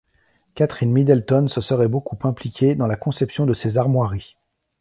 Catherine Middleton se serait beaucoup impliquée dans la conception de ses armoiries.